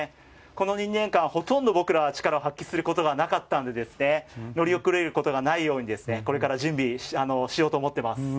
この２年間、ほとんど僕らは力を発揮することがなかったので乗り遅れることがないようにこれから準備しようと思ってます。